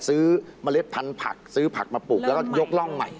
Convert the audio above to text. เมล็ดพันธุ์ผักซื้อผักมาปลูกแล้วก็ยกร่องใหม่